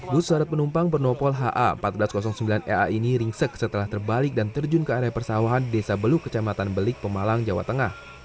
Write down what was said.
bus syarat penumpang bernopol ha seribu empat ratus sembilan ea ini ringsek setelah terbalik dan terjun ke area persawahan desa beluk kecamatan belik pemalang jawa tengah